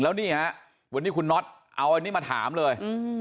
แล้วนี่ฮะวันนี้คุณน็อตเอาอันนี้มาถามเลย